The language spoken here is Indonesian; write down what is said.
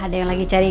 ada yang lagi "webox"